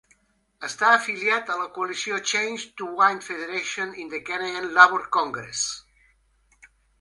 Està afiliat a la coalició Change to Win Federation i el Canadian Labour Congress.